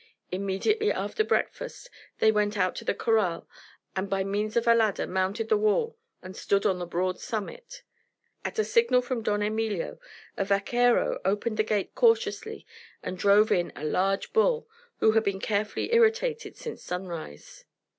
Immediately after breakfast they went out to the corral, and by means of a ladder mounted the wall and stood on the broad summit. At a signal from Don Emilio a vaquero opened the gate cautiously and drove in a large bull, who had been carefully irritated since sunrise.